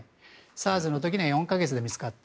ＳＡＲＳの時には４か月で見つかった。